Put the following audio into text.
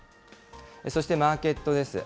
そしてマーケットです。